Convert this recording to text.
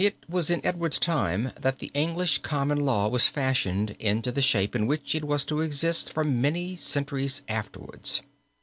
It was in Edward's time that the English Common Law was fashioned into the shape in which it was to exist for many centuries afterwards.